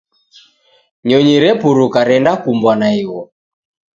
Nyonyi repuruka renda kumbwa na igho